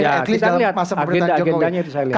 ya kita lihat agendanya itu saya lihat